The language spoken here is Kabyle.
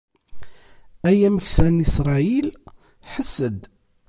Ay ameksa n Isṛayil, ḥess-d!